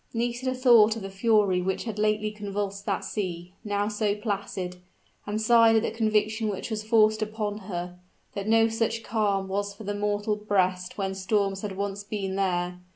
Nisida thought of the fury which had lately convulsed that sea, now so placid, and sighed at the conviction which was forced upon her that no such calm was for the mortal breast when storms had once been there!